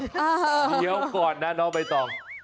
เดี๋ยวก่อนนะน้องใบตอง